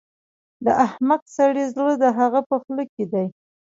د احمق سړي زړه د هغه په خوله کې دی.